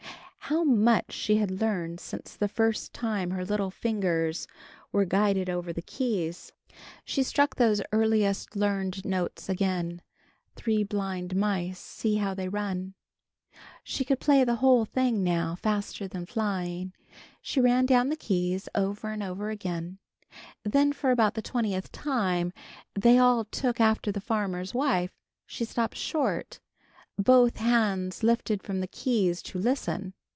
How much she had learned since the first time her little fingers were guided over the keys. She struck those earliest learned notes again: "Three blind mice! See how they run!" She could play the whole thing now, faster than flying. She ran down the keys, over and over again. [Illustration: "Take it back!"] When for about the twentieth time "they all took after the farmer's wife," she stopped short, both hands lifted from the keys to listen.